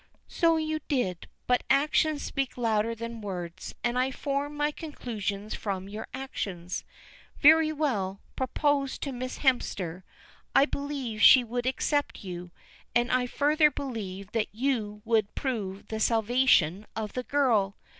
"So you did, but actions speak louder than words, and I form my conclusions from your actions. Very well, propose to Miss Hemster; I believe she would accept you, and I further believe that you would prove the salvation of the girl.